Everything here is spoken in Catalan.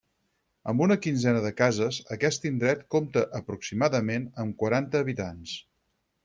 Amb una quinzena de cases, aquest indret compta aproximadament amb quaranta habitants.